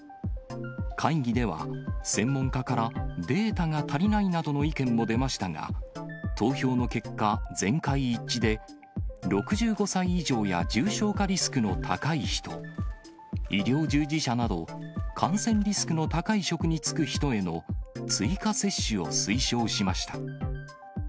会議では、専門家からデータが足りないなどの意見も出ましたが、投票の結果、全会一致で６５歳以上や重症化リスクの高い人、医療従事者など、感染リスクの高い職に就く人への追加接種を推奨しました。